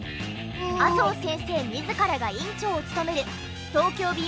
麻生先生自らが院長を務める。